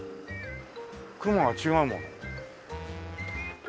雲が違うもん。